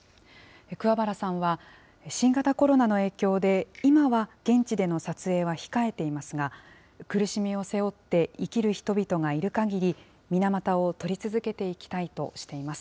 桑原さんは、新型コロナの影響で、今は現地での撮影は控えていますが、苦しみを背負って生きる人々がいるかぎり、水俣を撮り続けていきたいとしています。